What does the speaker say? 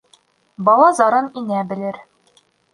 Бала зарын инә белер